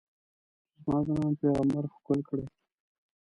چې زما ګران پیغمبر ښکل کړی یې.